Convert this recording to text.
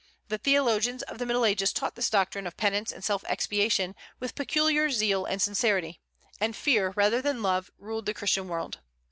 The theologians of the Middle Ages taught this doctrine of penance and self expiation with peculiar zeal and sincerity; and fear rather than love ruled the Christian world.